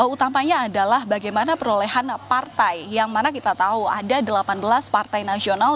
utamanya adalah bagaimana perolehan partai yang mana kita tahu ada delapan belas partai nasional